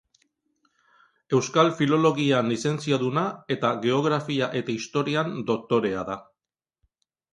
Euskal Filologian lizentziaduna eta Geografia eta Historian doktorea da.